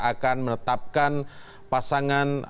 akan menetapkan pasangan